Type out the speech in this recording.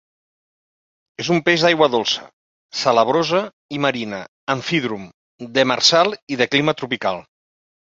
És un peix d'aigua dolça, salabrosa i marina; amfídrom; demersal i de clima tropical.